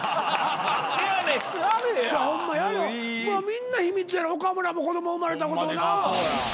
みんな秘密やろ岡村も子供産まれたことをな。